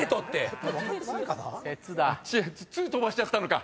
飛ばしちゃったのか！